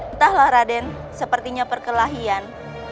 entahlah raden sepertinya perkelahian